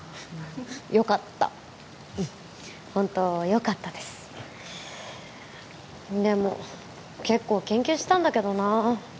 よかったうんホントよかったですでも結構研究したんだけどな